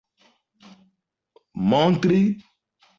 montri